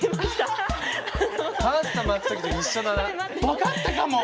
分かったかも！